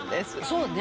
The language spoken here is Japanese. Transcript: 「そうね」